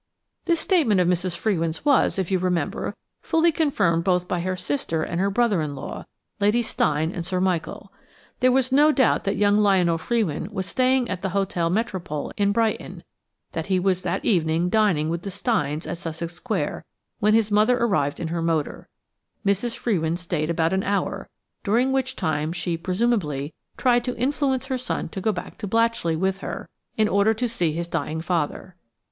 This statement of Mrs. Frewin's was, if you remember, fully confirmed both by her sister and her brother in law, Lady Steyne and Sir Michael. There was no doubt that young Lionel Frewin was staying at the Hotel Metropole in Brighton, that he was that evening dining with the Steynes at Sussex Square when his mother arrived in her motor. Mrs. Frewin stayed about an hour, during which time she, presumably, tried to influence her son to go back to Blatchley with her in order to see his dying father.